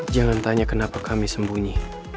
jangan tanya kenapa kami sembunyi